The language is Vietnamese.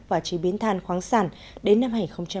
và chế biến than khoáng sản đến năm hai nghìn hai mươi năm